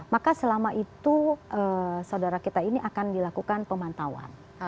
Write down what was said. maka selama itu saudara kita ini akan dilakukan pemantauan